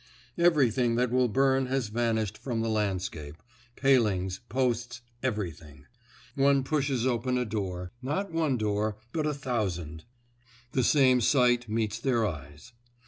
Everything that will burn has vanished from the landscape—palings, posts, everything. One pushes open a door—not one door, but a thousand; the same sight meets the eyes.